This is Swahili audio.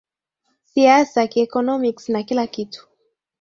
siasa kieconomics na kila kitu